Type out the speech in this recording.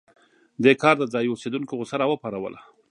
دې کار د ځايي اوسېدونکو غوسه راوپاروله.